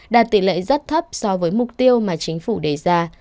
đạt tỷ lệ rất thấp so với mục tiêu mà chính phủ đề ra